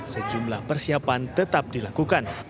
sejumlah persiapan tetap dilakukan